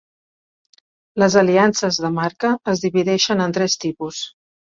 Les aliances de marca es divideixen en tres tipus.